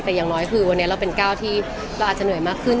แต่อย่างน้อยคือวันนี้เราเป็นก้าวที่เราอาจจะเหนื่อยมากขึ้น